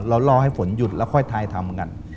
รอให้ฝนหยุดแล้วค่อยทายทำกัน